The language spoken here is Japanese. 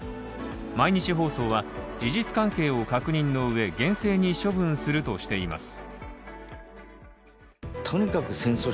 毎日放送は、事実関係を確認のうえ厳正に処分するとしています。